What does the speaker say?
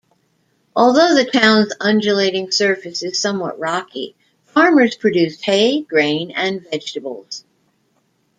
Although the town's undulating surface is somewhat rocky, farmers produced hay, grain and vegetables.